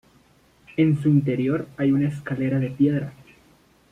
En su interior hay una escalera de piedra.